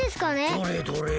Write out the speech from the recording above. どれどれ？